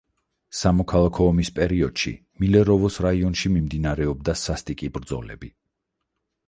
სამოქალაქო ომის პერიოდში მილეროვოს რაიონში მიმდინარეობდა სასტიკი ბრძოლები.